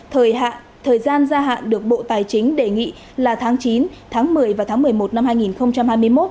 thời gian gia hạn được bộ tài chính đề nghị là tháng chín tháng một mươi và tháng một mươi một năm hai nghìn hai mươi một